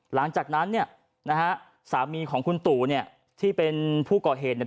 หลังจากนั้นเนี่ยนะฮะสามีของคุณตู่เนี่ยที่เป็นผู้ก่อเหตุเนี่ย